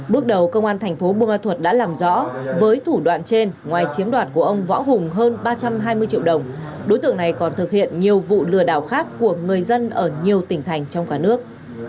bước đầu công an thành phố bùa thuật đã làm rõ với thủ đoạn trên ngoài chiếm đoạt của ông võ hùng hơn ba trăm hai mươi triệu đồng đối tượng này còn thực hiện nhiều vụ lừa đảo khác của người dân ở nhiều tỉnh thành trong cả nước